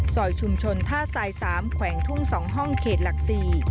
ซอยชุมชนท่าสายสามแขวงทุ่งสองห้องเขตหลักสี่